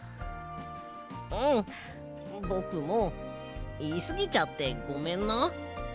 うんぼくもいいすぎちゃってごめんな。